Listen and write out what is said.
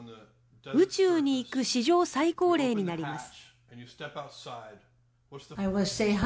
宇宙に行く史上最高齢になります。